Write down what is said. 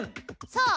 そう！